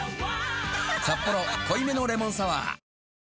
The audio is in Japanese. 「サッポロ濃いめのレモンサワー」